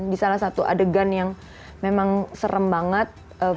di salah satu adegan yang memang serem banget